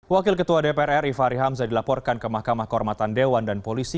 wakil ketua dprr ifahri hamzah dilaporkan ke mahkamah kormatan dewan dan polisi